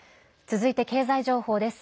続いて経済情報です。